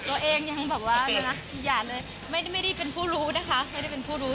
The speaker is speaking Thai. ตัวเองยังแบบว่าอย่าเลยไม่ได้เป็นผู้รู้นะคะไม่ได้เป็นผู้รู้